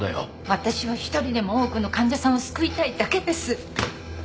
私は一人でも多くの患者さんを救いたいだけです！